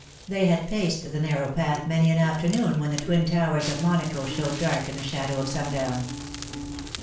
They had paced the narrow path many an afternoon when the twin towers of Monaco showed dark in the shadow of sundown.